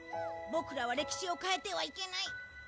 ボクらは歴史を変えてはいけない。